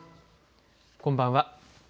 こんばんは。